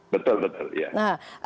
betul betul ya